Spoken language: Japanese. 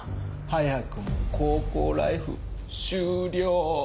早くも高校ライフ終了。